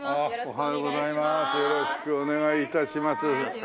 おはようございます。